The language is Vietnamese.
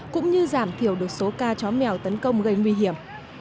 cũng như giảm thiểu được số ca chó mèo tấn công gây nguy hiểm